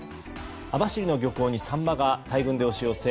網走の漁港にサンマが大群で押し寄せ